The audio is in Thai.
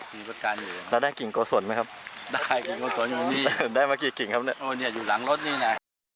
มีประกันอยู่น่ะน่ะได้กิ่งกโกศลมั้ยครับได้หลังรถนี่น่ะ